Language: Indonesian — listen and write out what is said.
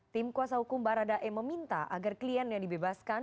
tim kuasa hukum baradae meminta agar klien yang dibebaskan